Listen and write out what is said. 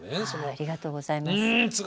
ありがとうございます。